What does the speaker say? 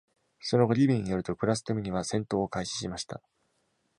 その後、リビーによると、クラストミニは戦闘を開始しました。